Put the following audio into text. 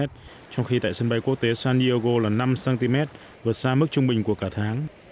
trong khi tại sân bay quốc tế san diego là năm cm vượt xa mức trung bình của cả tháng